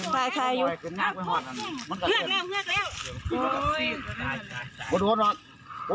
มันตายแล้ว